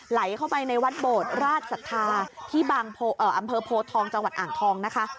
ไหลเข้าไปในวัดโบดราชศรัทธาที่บางอำเภอโพทองจังหวัดอ่างทองนะคะ